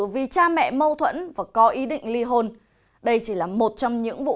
vì cha mẹ mâu thuẫn và có ý định ly hôn đây chỉ là một trong những vụ